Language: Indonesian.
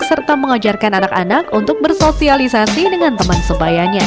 serta mengajarkan anak anak untuk bersosialisasi dengan teman sebayanya